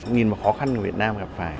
nhìn vào khó khăn của việt nam gặp phải